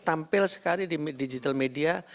tampil sekali di digital media